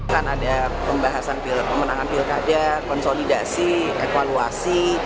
kan ada pembahasan pemenangan pilkada konsolidasi evaluasi